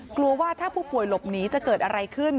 กลัวว่าถ้าผู้ป่วยหลบหนีจะเกิดอะไรขึ้น